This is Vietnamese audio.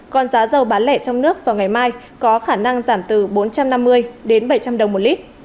còn giá dầu bán lẻ trong nước vào ngày mai có khả năng giảm từ bốn trăm năm mươi đến bảy trăm linh đồng một lít